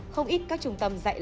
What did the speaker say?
không ít các trung tâm dạy lạc